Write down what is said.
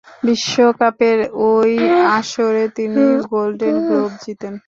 বিশ্বকাপের ঐ আসরে তিনি গোল্ডেন গ্লোব জিতেন।